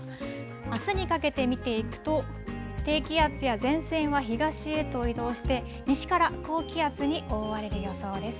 あすにかけて見ていくと、低気圧や前線は東へと移動して、西から高気圧に覆われる予想です。